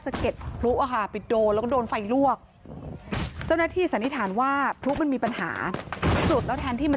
มันเกิดกระจายพลุให้ไปโดนแล้วก็โดนไฟลวกเจ้าหน้าที่สัณธิฐานว่าพลุมันมีปัญหาจุดแล้วแทนที่มัน